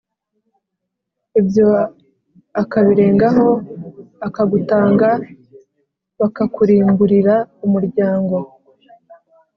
Ibyo akabirengaho akagutanga Bakakurimburira umuryango